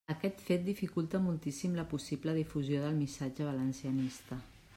Aquest fet dificulta moltíssim la possible difusió del missatge valencianista.